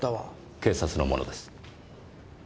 警察の者です。